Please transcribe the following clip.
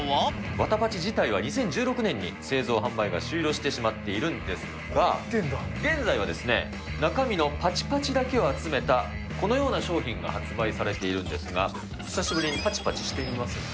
わたパチ自体は２０１６年に製造販売が終了してしまっているんですが、現在は中身のパチパチだけを集めた、このような商品が発売されているんですが、久しぶりにぱちぱちしてみませんか。